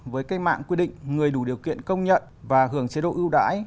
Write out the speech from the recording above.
với cách mạng quy định người đủ điều kiện công nhận và hưởng chế độ ưu đãi